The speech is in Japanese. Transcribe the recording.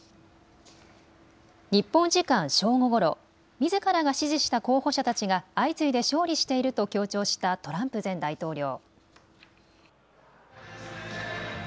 日本時間正午ごろ、みずからが支持した候補者たちが相次いで勝利していると強調したトランプ前大統領。